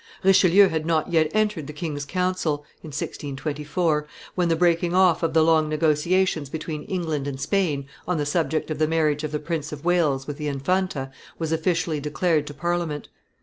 Richelieu had not yet entered the king's council (1624), when the breaking off of the long negotiations between England and Spain, on the subject of the marriage of the Prince of Wales with the Infanta, was officially declared to Parliament.